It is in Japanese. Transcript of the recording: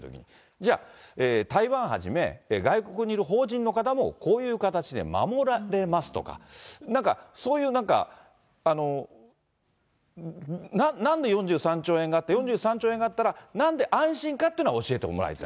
じゃあ、台湾はじめ、外国にいる邦人の方もこういう形で守られますとか、なんかそういうなんか、なんで４３兆円がって、４３兆円があったら、なんで安心かっていうのを教えてもらいたい。